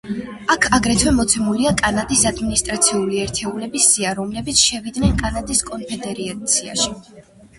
აქ აგრეთვე მოცემულია კანადის ადმინისტრაციული ერთეულების სია, რომლებიც შევიდნენ კანადის კონფედერაციაში.